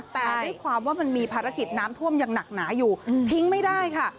แต่ด้วยความว่ามันมีภารกิจน้ำท่วมยังหนักหนาอยู่ทิ้งไม่ได้ค่ะ